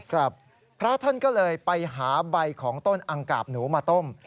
พระท่านก็เลยไปหาใบของต้นอังกาบหนูมาต้ม